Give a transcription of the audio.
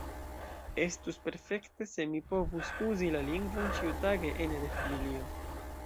Estus perfekte se mi povus uzi la lingvon ĉiutage ene de familio.